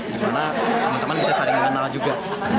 dimana teman teman bisa saling mengenal juga